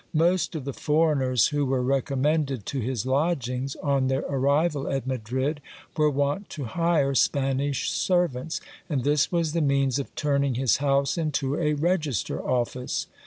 Most of the foreigners who were recommended to his lodgings, on their arrival at Madrid, were wont to hire Spanish servants ; and this was the means of turning his house into a register office.